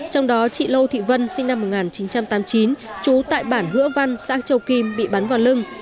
trong đó chị lô thị vân sinh năm một nghìn chín trăm tám mươi chín trú tại bản hữu văn xã châu kim bị bắn vào lưng